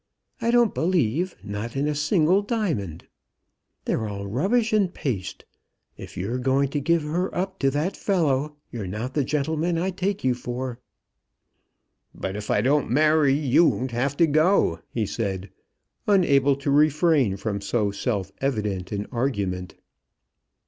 I don't believe, not in a single diamond. They're all rubbish and paste. If you're going to give her up to that fellow, you're not the gentleman I take you for." "But if I don't marry you won't have to go," he said, unable to refrain from so self evident an argument.